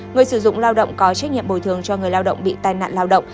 người sử dụng lao động có trách nhiệm bồi thường cho người lao động bị tai nạn lao động